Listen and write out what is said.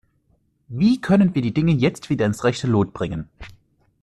Wie können wir die Dinge jetzt wieder ins rechte Lot bringen?